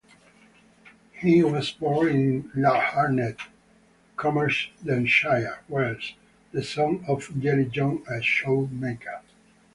He was born in Laugharne, Carmarthenshire, Wales, the son of Gelly John, a shoemaker.